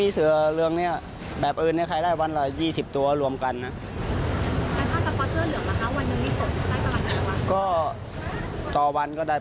ซื้อพลาด